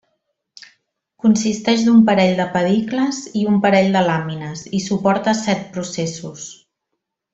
Consisteix d'un parell de pedicles i un parell de làmines i suporta set processos.